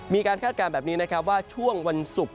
มีการคาดการณ์แบบนี้ว่าช่วงวันศุกร์